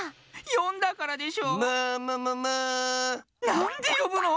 なんでよぶの！